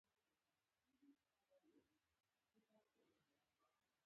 چم او فریب دواړه یوه معنی لري.